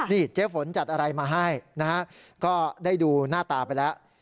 นี่เจ๊ฝนจัดอะไรมาให้นะฮะก็ได้ดูหน้าตาไปแล้ว